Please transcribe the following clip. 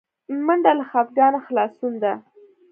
منډه له خپګانه خلاصون ده